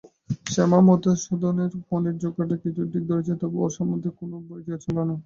শ্যামা মধুসূদনের মনের ঝোঁকটা ঠিক ধরেছে, তবুও ওর সম্বন্ধে তার ভয় ঘুচল না।